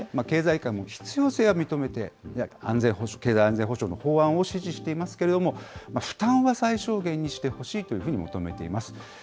経済界も必要性は認めて、経済安全保障の法案を支持していますけれども、負担は最小限にしてほしいと求めています。